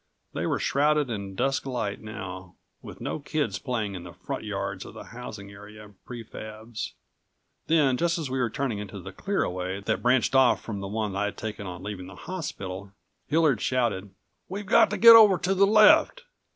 They were shrouded in dusk light now, with no kids playing in the front yards of the housing area pre fabs. Then, just as we were turning into the clear away that branched off from the one I'd taken on leaving the hospital, Hillard shouted: "We've got to get over to the left!